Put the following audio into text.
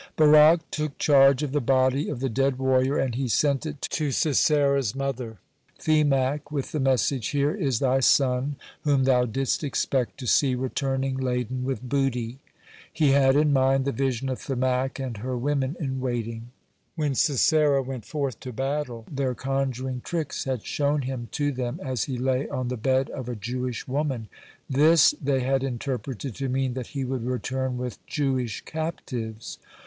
(86) Barak took charge of the body of the dead warrior, and he sent it to Sisera's mother, Themac, (87) with the message: "Here is thy son, whom thou didst expect to see returning laden with booty." He had in mind the vision of Themac and her women in waiting. When Sisera went forth to battle, their conjuring tricks had shown him to them as he lay on the bed of a Jewish woman. This they had interpreted to mean that he would return with Jewish captives.